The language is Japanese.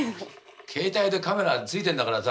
携帯でカメラついてんだからさ